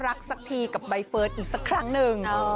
สักทีกับใบเฟิร์สอีกสักครั้งหนึ่ง